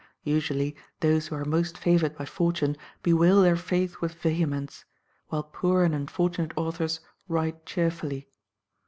Usually those who are most favoured by fortune bewail their fate with vehemence; while poor and unfortunate authors write cheerfully.